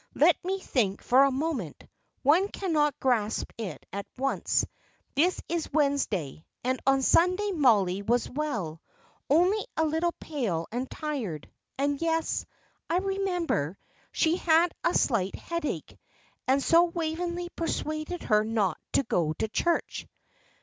Let me think for a moment one cannot grasp it at once. This is Wednesday, and on Sunday Mollie was well only a little pale and tired; and yes, I remember, she had a slight headache, and so Waveney persuaded her not to go to church."